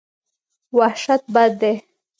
وحشت بد دی.